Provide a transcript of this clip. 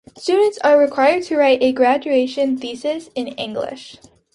Students are required to write a graduation thesis in English.